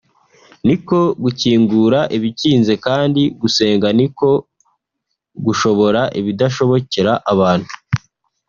ni ko gukingura ibikinze kandi gusenga niko gushobora ibidashobokera abantu